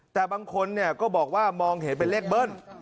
แต่บางคนก็บอกว่ามองเห็นเป็นเลขเบิ้ล